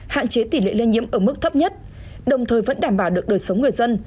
hạn chế tỷ lệ lây nhiễm ở mức thấp nhất đồng thời vẫn đảm bảo được đời sống người dân